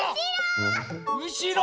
うしろ！